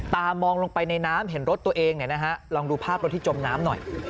มองลงไปในน้ำเห็นรถตัวเองลองดูภาพรถที่จมน้ำหน่อย